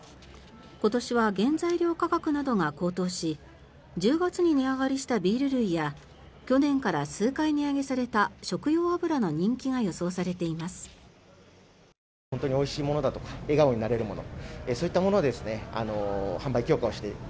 今年は原材料価格などが高騰し１０月に値上がりしたビール類や去年から数回値上げされた食用油の人気が予想されています。